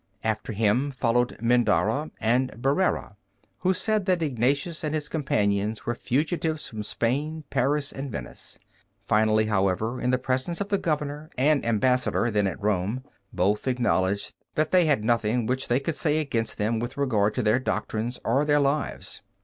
After him followed Mindarra and Berrera, who said that Ignatius and his companions were fugitives from Spain, Paris, and Venice. Finally, however, in the presence of the governor and ambassador then at Rome, both acknowledged that they had nothing which they could say against them with regard to their doctrines or their lives.